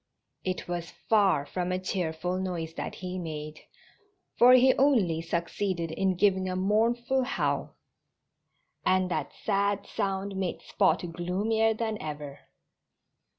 It was far from a cheerful noise that he made, for he only succeeded in giving a mournful howl. And that sad sound made Spot gloomier than ever.